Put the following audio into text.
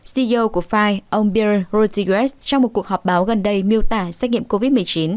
ceo của phi ông bill rodriguez trong một cuộc họp báo gần đây miêu tả xét nghiệm covid một mươi chín